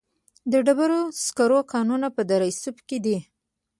د ډبرو سکرو کانونه په دره صوف کې دي